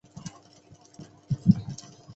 祖父徐庆。